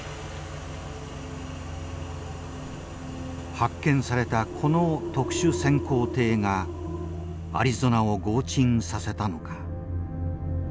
発見されたこの特殊潜航艇がアリゾナを轟沈させたのか。